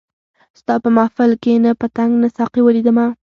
ستا په محفل کي نه پتنګ نه ساقي ولیدمه